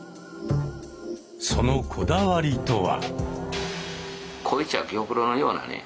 そのこだわりとは？